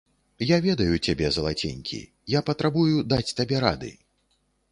Я ведаю цябе, залаценькі, я патрабую даць табе рады.